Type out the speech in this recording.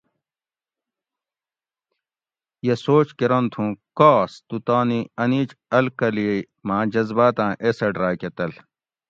یہ سوچ کرنت ھوں کاس تو تانی انیج الکلی ماں جزباۤتاں ایسڈ راۤکہ تل